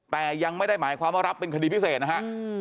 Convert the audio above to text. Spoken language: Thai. แต่ยังไม่ได้หมายความว่ารับเป็นคดีพิเศษนะฮะ